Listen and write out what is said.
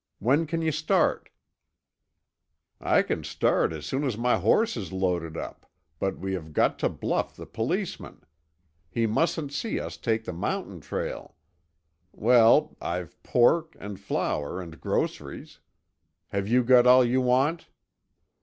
When can you start?" "I can start as soon as my horse is loaded up, but we have got to bluff the policeman. He mustn't see us take the mountain trail. Well, I've pork and flour and groceries. Have you got all you want?"